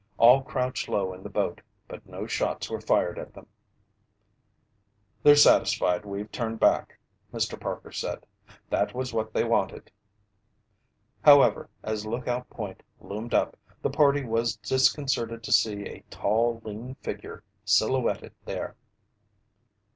All crouched low in the boat, but no shots were fired at them. "They're satisfied we've turned back," Mr. Parker said. "That was what they wanted." However, as Lookout Point loomed up, the party was disconcerted to see a tall, lean figure silhouetted there.